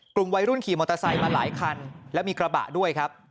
กลุ่มวัยรุ่นขี่มอเตอร์ไซค์มาหลายคันและมีกระบะด้วยครับ